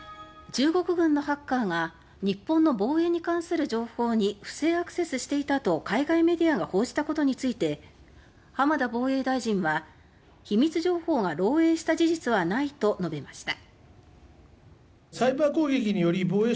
中国軍のハッカーが日本の防衛に関する情報に不正アクセスしていたと海外のメディアが報じたことについて浜田防衛大臣は「秘密情報が漏洩した事実はない」と述べました。